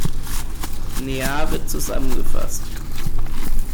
Neave zusammengefasst.